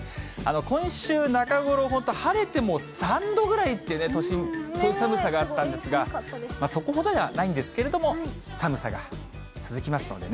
今週中ごろ、本当、晴れても３度ぐらいという、都心の寒さがあったんですが、そこまではないんですけれども、寒さが続きますのでね。